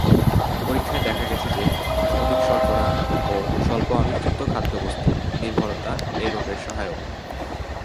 পরীক্ষায় দেখা গেছে যে, অধিক শর্করা ও স্বল্প আমিষযুক্ত খাদ্যবস্ত্ত নির্ভরতা এ রোগের সহায়ক।